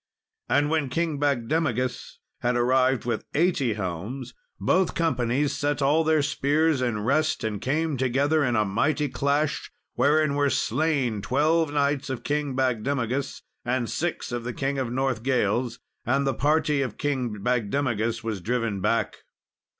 And when King Bagdemagus had arrived, with eighty helms, both companies set all their spears in rest and came together with a mighty clash, wherein were slain twelve knights of King Bagdemagus, and six of the King of Northgales; and the party of King Bagdemagus was driven back.